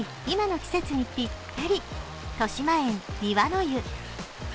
今の季節にぴったり豊島園庭の湯。